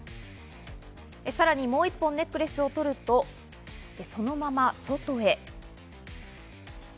さらにもう１本ネックレスを取ると、そのまま外へ。